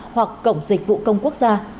hoặc cổng dịch vụ công quốc gia